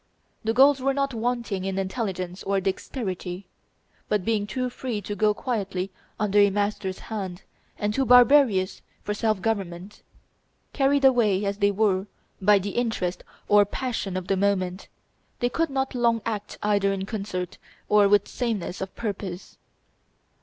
The Gauls were not wanting in intelligence or dexterity, but being too free to go quietly under a master's hand, and too barbarous for self government, carried away, as they were, by the interest or passion of the moment, they could not long act either in concert or with sameness of purpose.